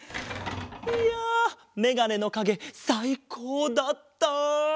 いやメガネのかげさいこうだった！